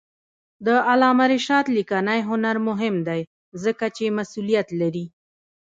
د علامه رشاد لیکنی هنر مهم دی ځکه چې مسئولیت لري.